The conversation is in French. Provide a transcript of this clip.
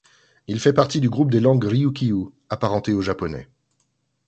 Il fait partie du groupe des langues ryūkyū, apparentées au japonais.